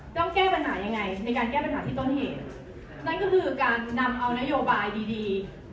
ต้องแก้ปัญหายังไงในการแก้ปัญหาที่ต้นเหตุนั่นก็คือการนำเอานโยบายดีดี